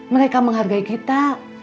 mereka menghargai kita